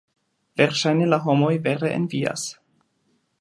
Verŝajne la homoj vere envias.